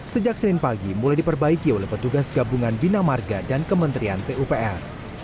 sejak senin pagi mulai diperbaiki oleh petugas gabungan bina marga dan kementerian pupr